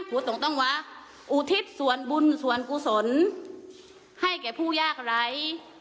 ผัวตรงตั้งหวะอุทิศส่วนบุญส่วนกุศลให้แก่ผู้ยากไร